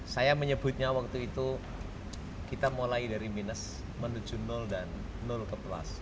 saya menyebutnya waktu itu kita mulai dari minus menuju dan nol ke plus